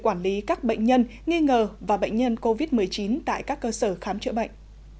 quản lý các bệnh nhân nghi ngờ và bệnh nhân covid một mươi chín tại các cơ sở khám chữa bệnh